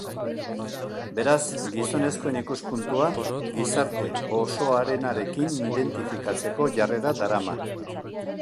Beraz, gizonezkoen ikuspuntua gizarte osoarenarekin identifikatzeko jarrera darama.